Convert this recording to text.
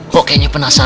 kok kayaknya penasaran